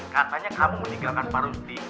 katanya kamu meninggalkan pak rusdi